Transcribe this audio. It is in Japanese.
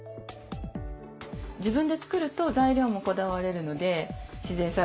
自分で作ると材料もこだわれるので自然栽培の大豆使ったり。